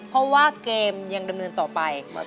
เพราะว่าเกมยังดำเนินต่อไป